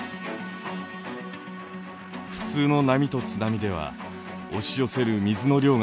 普通の波と津波では押し寄せる水の量が違います。